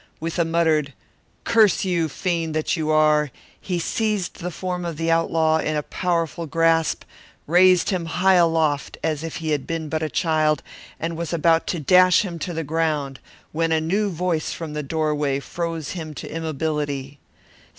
With a muttered "Curse you, fiend that you are!" he seized the form of the outlaw in a powerful grasp, raised him high aloft as if he had been but a child, and was about to dash him to the ground when a new voice from the doorway froze him to immobility.